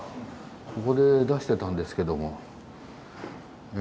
ここで出してたんですけども。